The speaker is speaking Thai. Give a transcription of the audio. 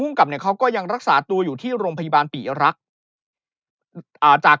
กับเนี่ยเขาก็ยังรักษาตัวอยู่ที่โรงพยาบาลปีรักษ์จาก